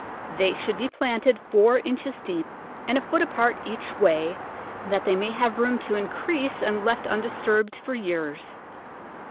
They should be planted four inches deep and a foot apart each way, that they may have room to increase, and left undisturbed for years.